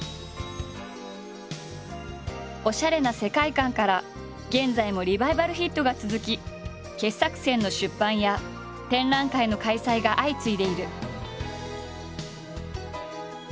おしゃれな世界観から現在もリバイバルヒットが続き傑作選の出版や展覧会の開催が相次いでいる。